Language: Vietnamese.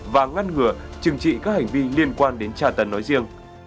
và ngăn ngừa chừng trị các hành vi liên quan đến tra tấn nói riêng